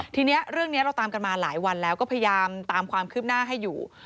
ทีนี้เรื่องนี้เราตามกันมาหลายวันแล้วก็พยายามตามความคืบหน้าให้อยู่